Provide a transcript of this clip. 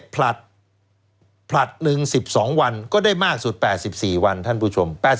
ผลัดผลัดหนึ่ง๑๒วันก็ได้มากสุด๘๔วันท่านผู้ชม